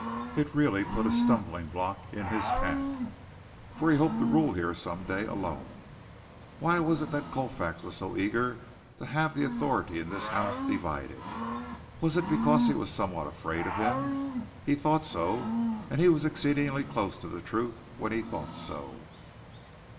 It really put a stumbling block in his path, for he hoped to rule here some day alone. Why was it that Colfax was so eager to have the authority in this house divided? Was it because he was somewhat afraid of him? He thought so, and he was exceedingly close to the truth when he thought so.